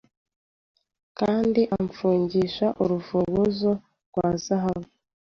Kandi amfungisha urufunguzo rwa zahabu